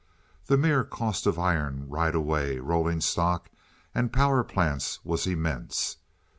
The mere cost of iron, right of way, rolling stock, and power plants was immense.